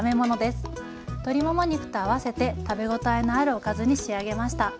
鶏もも肉と合わせて食べ応えのあるおかずに仕上げました。